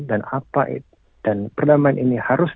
dan perdamaian ini harus